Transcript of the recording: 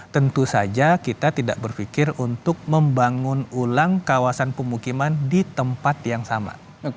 tentu saja kita tidak berpikir untuk membangun ulang kawasan pemukiman di tempat yang sama